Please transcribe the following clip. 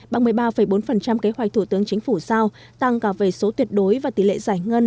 bằng một mươi ba bốn kế hoạch thủ tướng chính phủ giao tăng cả về số tuyệt đối và tỷ lệ giải ngân